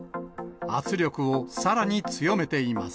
圧力をさらに強めています。